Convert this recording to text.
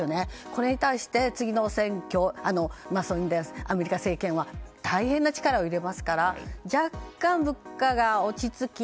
これに対して次の選挙でアメリカ政権は大変な力を入れますから若干、物価が落ち着き